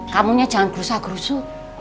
kamunya jangan krusa krusu